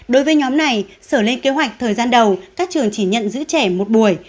đối với nhóm này sở lên kế hoạch thời gian đầu các trường chỉ nhận giữ trẻ một buổi